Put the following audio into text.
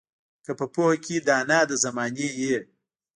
که په پوهه کې دانا د زمانې وي